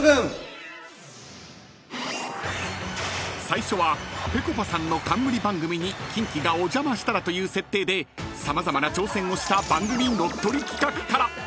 ［最初はぺこぱさんの冠番組にキンキがお邪魔したらという設定で様々な挑戦をした番組乗っ取り企画から］